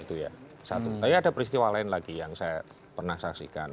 tapi ada peristiwa lain lagi yang saya pernah saksikan